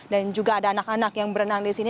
dan juga ada anak anak yang berenang di sini